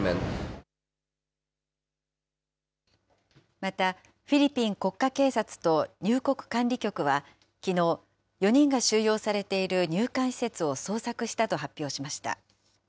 また、フィリピン国家警察と入国管理局はきのう、４人が収容されている入管施設を捜索したと発表しました。